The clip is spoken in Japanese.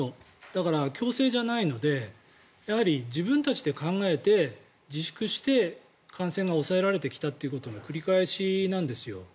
だから、強制じゃないので自分たちで考えて自粛して感染が抑えられてきたということの繰り返しなんですよ。